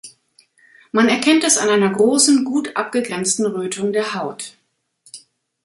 Man erkennt es an einer großen, gut abgegrenzten Rötung der Haut.